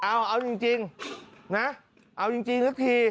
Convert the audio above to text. เอาเอาจริงนะเอาจริงนึกที